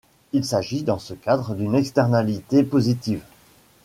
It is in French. Il s'agit dans ce cadre d’une externalité positive.